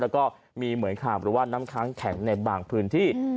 แล้วก็มีเหมือยขาบหรือว่าน้ำค้างแข็งในบางพื้นที่